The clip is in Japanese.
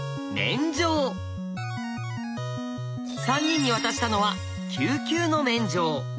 ３人に渡したのは九級の免状。